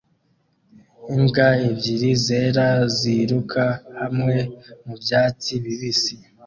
Imbwa ebyiri zera ziruka hamwe mubyatsi bibisi